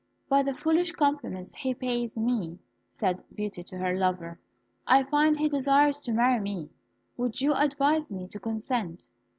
"By the foolish compliments he pays me," said Beauty to her lover, "I find he desires to marry me. Would you advise me to consent?